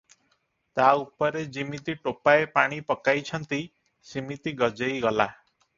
ତା ଉପରେ ଯିମିତି ଟୋପାଏ ପାଣି ପକାଇଛନ୍ତି, ସିମିତି ଗଜେଇ ଗଲା ।